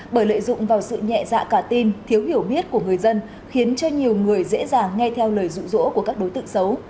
bởi lợi dụng vào sự nhẹ dạ cả tin thiếu hiểu biết của người dân khiến cho nhiều người dễ dàng nghe theo lời rụ rỗ của các đối tượng xấu